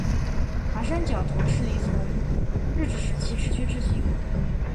华山角头势力从日治时期延续至今。